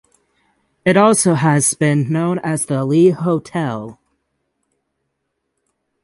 It has also been known as the Lee Hotel.